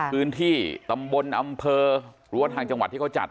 พื้นที่ตำบลอำเภอรั้วทางจังหวัดที่เขาจัด